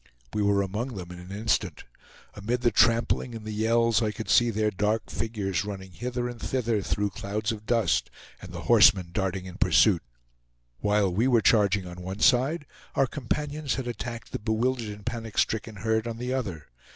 We were among them in an instant. Amid the trampling and the yells I could see their dark figures running hither and thither through clouds of dust, and the horsemen darting in pursuit. While we were charging on one side, our companions had attacked the bewildered and panic stricken herd on the other.